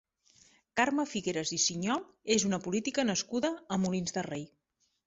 Carme Figueras i Siñol és una política nascuda a Molins de Rei.